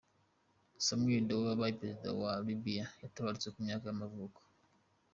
Samuel Doe, wabaye perezida wa wa Liberiya yaratabarutse, ku myaka y’amavuko.